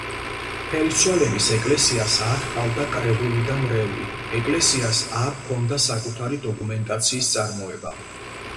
ფერისცვალების ეკლესიას არ ჰყავდა კრებული და მრევლი, ეკლესიას არ ჰქონდა საკუთარი დოკუმენტაციის წარმოება.